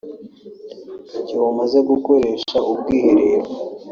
Igihe umaze gukoresha ubwiherero